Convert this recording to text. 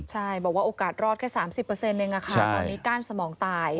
ใช่บอกว่าโอกาสรอดแค่๓๐เปอร์เซ็นต์นึงตอนนี้ก้านสมองตาย